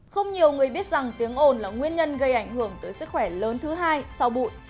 không nhiều người biết rằng tiếng ồn là nguyên nhân gây ảnh hưởng tới sức khỏe lớn thứ hai sau bụi